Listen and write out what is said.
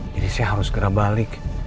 jadi saya harus segera balik